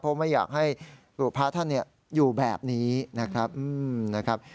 เพราะไม่อยากให้พระท่านอยู่แบบนี้นะครับ